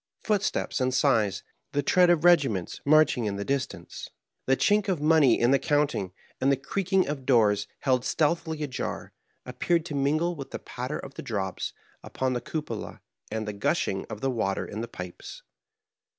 Footsteps and sighs, the tread of regi ments marching in the distance, the chink of money in the counting, and the creaking of doors held stealthily ajar, appeared to mingle with the patter of the drops upon the cupola and the gushing of the water in the pipes.